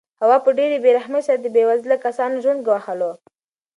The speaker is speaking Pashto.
هوا په ډېرې بې رحمۍ سره د بې وزله کسانو ژوند ګواښلو.